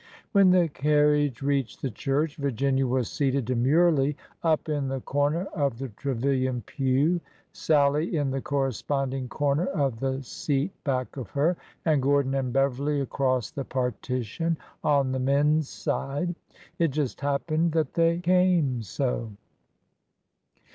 When the carriage reached the church, Virginia was seated demurely up in the corner of the Trevilian pew, Sallie in the corresponding corner of the seat back of her, and Gordon and Beverly across the partition on the men's side. It just happened that they came so. 35 36 ORDER NO.